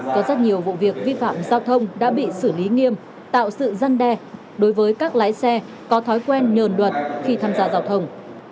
có rất nhiều vụ việc vi phạm giao thông đã bị xử lý nghiêm tạo sự răn đe đối với các lái xe có thói quen nhờn luật khi tham gia giao thông